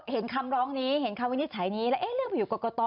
เห็นคำร้องนี้เห็นคำวินิจฉันนี้แล้วเอ๊ะเรื่องผิวกรกตอ